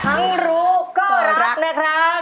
ทั้งรู้ก็รักนะครับ